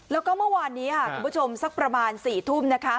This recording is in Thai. แล้วก็เมื่อวานนี้ค่ะคุณผู้ชมสักประมาณ๔ทุ่มนะคะ